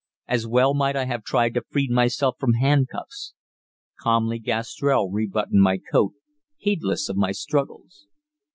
As well might I have tried to free myself from handcuffs. Calmly Gastrell rebuttoned my coat, heedless of my struggles.